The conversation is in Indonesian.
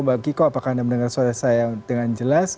mbak kiko apakah anda mendengar suara saya dengan jelas